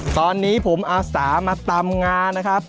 ตอนนี้ผมอาสามาตำงานะครับ